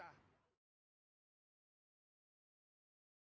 สวัสดีครับ